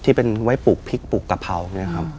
ที่เป็นไว้ปลูกพริกปลูกกะเพราเนี่ยครับ